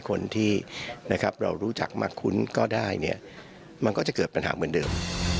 คนที่เรารู้จักมากคุ้นก็ได้เนี่ยมันก็จะเกิดปัญหาเหมือนเดิม